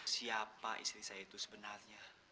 siapa istri saya itu sebenarnya